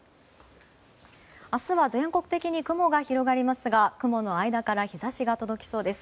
明日は全国的に雲が広がりますが雲の間から日差しが届きそうです。